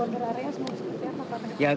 pelabuhan berarea semua sekitar pak